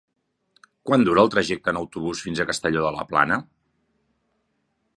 Quant dura el trajecte en autobús fins a Castelló de la Plana?